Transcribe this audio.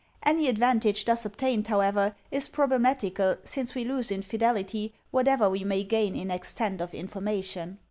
Any advantage thus obtained, how ever, is problematical, since we lose in fidelity whatever we may gain in extent of information.